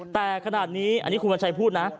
แต่ขนาดนี้อันนี้คุณวัญชัยพูดนะ